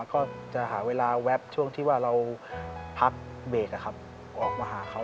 ก็จะหาเวลาแวบช่วงที่ว่าเราพักเบรกออกมาหาเขา